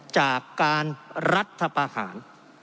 จากการรัฐประหาร